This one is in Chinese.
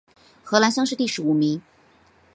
河南乡试第十五名。